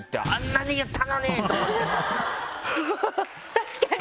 確かに！